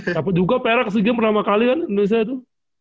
dapat juga perak segi pertama kali kan indonesia itu